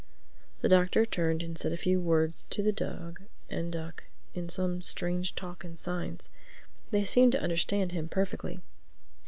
The Doctor turned and said a few words to the dog and duck in some strange talk and signs. They seemed to understand him perfectly.